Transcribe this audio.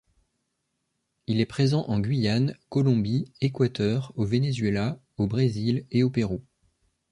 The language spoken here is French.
Il est présent en Guyane, Colombie, Équateur, au Venezuela au Brésil et au Pérou.